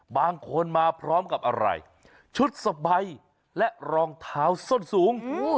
บางคนมาพร้อมกับอะไรชุดสบายและรองเท้าส้นสูง